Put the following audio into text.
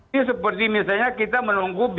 ini seperti misalnya kita menunggu